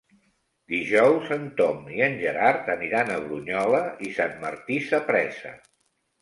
Dijous en Tom i en Gerard aniran a Brunyola i Sant Martí Sapresa.